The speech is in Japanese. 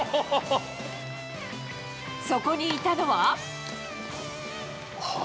そこにいたのは。